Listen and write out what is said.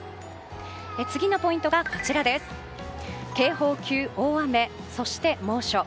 次のポイントは警報級大雨、そして猛暑。